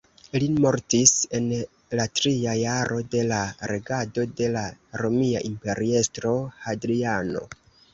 Li mortis en la tria jaro de la regado de la romia imperiestro Hadriano.